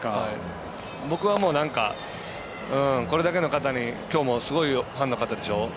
僕は、これだけの方にきょうもすごいファンの方でしょう。